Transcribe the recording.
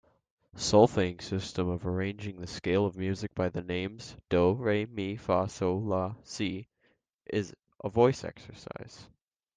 Solfaing system of arranging the scale of music by the names do, re, mi, fa, sol, la, si a voice exercise.